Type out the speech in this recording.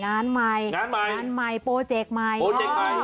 งานใหม่งานใหม่โปรเจกต์ใหม่